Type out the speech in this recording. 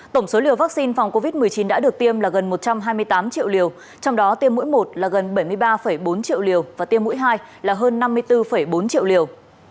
tổng số liều vaccine phòng covid một mươi chín đã được tiêm là gần một trăm hai mươi tám triệu liều trong đó tiêm mỗi một là gần bảy mươi ba bốn triệu liều và tiêm mũi hai là hơn năm mươi bốn bốn triệu liều